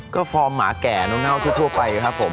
ก็ฟอร์มหมาแก่เน่าทั่วไปครับผม